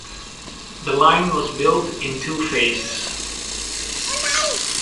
The line was built in two phases.